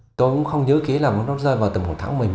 tôi cũng không nhớ kỹ là nó rơi vào tầm một tháng